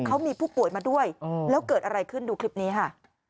เขามีผู้ป่วยมาด้วยแล้วเกิดอะไรขึ้นดูคลิปนี้ค่ะ